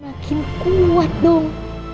makin kuat dong